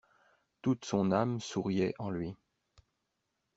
Toute son âme souriait en lui.